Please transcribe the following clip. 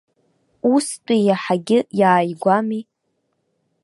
Устәи иаҳагьы иааигәами.